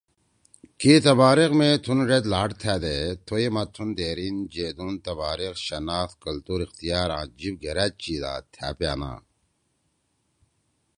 کی تباریخ می تُھن ڙید لھاڑ تھأ دے تھوئے ما تُھن دھیریِن، جیدُون، تباریخ، شناخت، کلتُور، اختیار آں جیِب گھیرأدچی دا تھأ پیانا